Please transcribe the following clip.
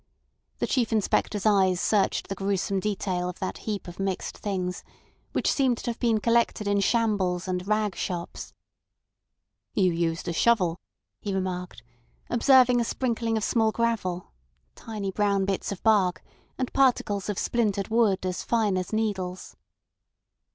The Chief Inspector's eyes searched the gruesome detail of that heap of mixed things, which seemed to have been collected in shambles and rag shops. "You used a shovel," he remarked, observing a sprinkling of small gravel, tiny brown bits of bark, and particles of splintered wood as fine as needles.